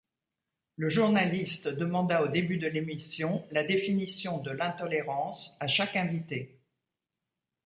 Le journaliste demanda au début de l'émission la définition de l'intolérance à chaque invité.